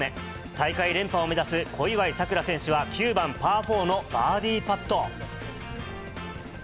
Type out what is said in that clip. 大会連覇を目指す小祝さくら選手は９番パー４のバーディーパット。